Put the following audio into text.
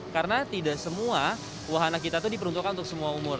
karena tidak semua wahana kita itu diperuntukkan untuk semua umur